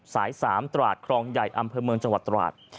สาย๓ตราดครองใหญ่อำเภอเมืองจังหวัดตราด